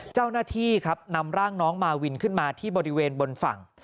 เจ้าหน้าที่ครับนำร่างน้องมาวินขึ้นมาที่บริเวณบนฝั่ง